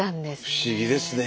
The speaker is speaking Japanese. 不思議ですね。